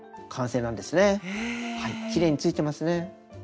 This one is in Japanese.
きれいについてますね。